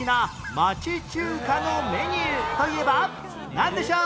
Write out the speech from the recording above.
なんでしょう？